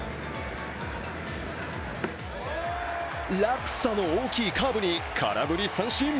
落差の大きいカーブに空振り三振。